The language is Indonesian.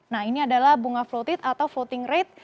nah ini adalah bunga floating rate